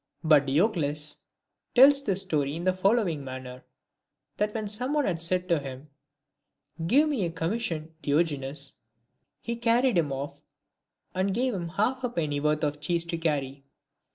But Diocles tells this story in the following manner ; that when some one said to him, " Give me a commission, Diogenes," he carried him off, and gave him a halfpenny worth of cheese to ' cariy.